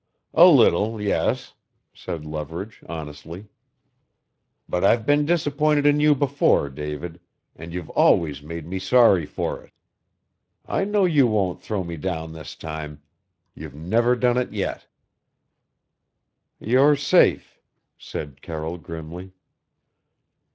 "A little yes," said Leverage honestly. "But I've been disappointed in you before, David and you've always made me sorry for it. I know you won't throw me down this time. You've never done it yet." "You're safe!" said Carroll grimly.